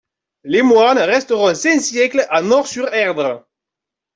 Les moines resteront cinq siècles à Nort-sur-Erdre.